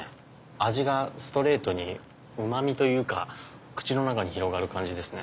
味がストレートにうま味というか口の中に広がる感じですね。